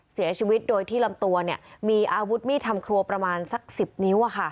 เสียชีวิตโดยที่ลำตัวมีอาวุธมีดทำครัวประมาณสัก๑๐นิ้ว